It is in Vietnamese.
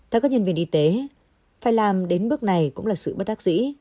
theo các nhân viên y tế phải làm đến bước này cũng là sự bất đắc dĩ